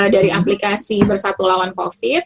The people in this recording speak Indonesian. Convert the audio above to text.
dari aplikasi bersatu lawan covid